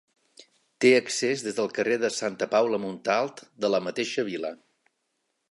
Té accés des del carrer de Santa Paula Montalt de la mateixa vila.